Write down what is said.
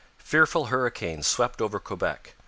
Fearful hurricanes swept over Quebec.